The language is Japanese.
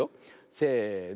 せの。